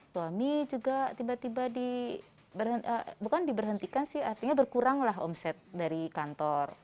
suami juga tiba tiba bukan diberhentikan sih artinya berkuranglah omset dari kantor